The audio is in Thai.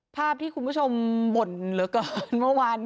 ภาพที่คุณผู้ชมบ่นเหลือเกินเมื่อวาน